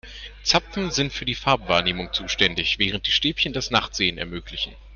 Zapfen sind für die Farbwahrnehmung zuständig, während die Stäbchen das Nachtsehen ermöglichen.